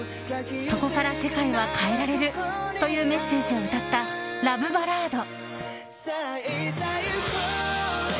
そこから世界は変えられるというメッセージを歌ったラブバラード。